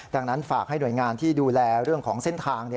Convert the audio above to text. ดังนั้นฝากให้หน่วยงานที่ดูแลเรื่องของเส้นทาง